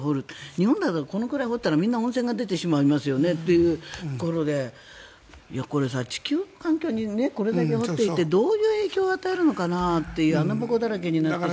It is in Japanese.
日本だとこれぐらい掘ったらみんな温泉が出てしまいますよねというところでこれ、地球環境にこれだけ掘っていってどういう影響を与えるのかなという穴ぼこだらけになってしまって。